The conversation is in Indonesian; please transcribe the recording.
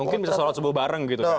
mungkin bisa sholat subuh bareng gitu